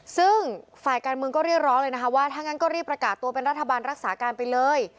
ซึ่งฝ่ายการเมืองก็เรียกร้องเลยนะคะว่าถ้างั้นก็รีบประกาศตัวเป็นรัฐบาลรักษาการไปเลย